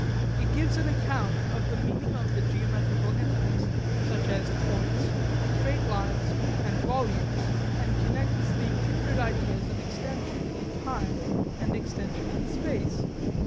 It gives an account of the meaning of the geometrical entities such as points, straight lines, and volumes, and connects the kindred ideas of extension in time and extension in space.